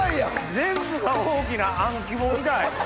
全部が大きなあん肝みたい。